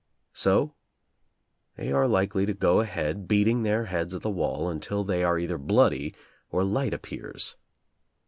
So they are likely to go ahead beating their heads at the wall until they are either bloody or light appears.